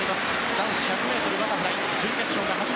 男子１００ｍバタフライ準決勝。